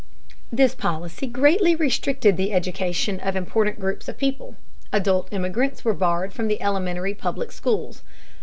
This policy greatly restricted the education of important groups of people. Adult immigrants were barred from the elementary public schools.